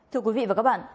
thưa quý vị và các bạn